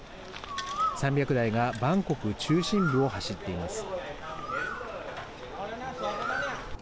３００台がバンコク中心部を走っています。